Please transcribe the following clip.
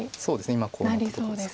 今こうなったとこです。